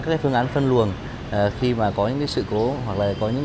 và chấp hành tốt luật đại giao thông